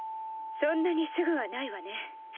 そんなにすぐはないわね。